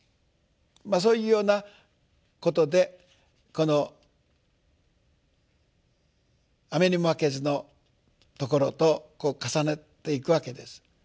まあそういうようなことでこの「雨ニモマケズ」のところと重ねていくわけです。